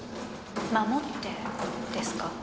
「守って」ですか？